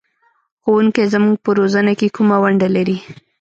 ښوونکی زموږ په روزنه کې کومه ونډه لري؟